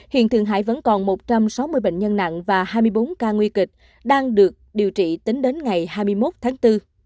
hiện thường hải vẫn còn một trăm sáu mươi bệnh nhân nặng và hai mươi bốn ca nguy kịch đang được điều trị tính đến ngày hai mươi một tháng bốn